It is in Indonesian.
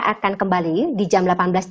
akan kembali di jam delapan belas tiga puluh